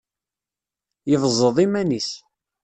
Yebẓeḍ iman-is.